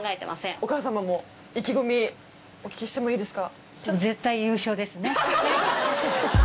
お母さまも意気込みお聞きしてもいいですか？